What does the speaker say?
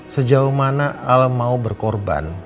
sejauh mana alam mau berkorban